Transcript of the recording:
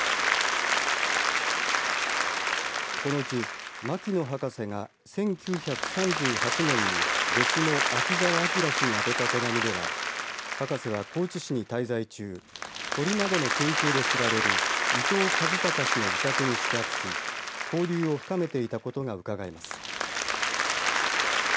このうち牧野博士が１９３８年に弟子の秋澤明氏にあてた手紙では博士は高知市に滞在中鳥など研究で知られる伊藤和貴氏の自宅に宿泊し交流を深めていたことがうかがえます。